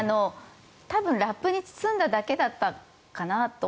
多分、ラップに包んだだけだったのかなと。